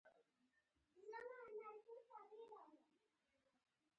د ملي اقتصاد ځواک د خلکو د کار او تولید په اندازه کېږي.